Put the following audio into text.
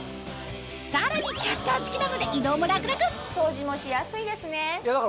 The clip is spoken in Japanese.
さらにキャスター付きなので移動も楽々掃除もしやすいですね。